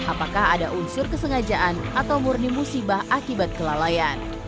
apakah ada unsur kesengajaan atau murni musibah akibat kelalaian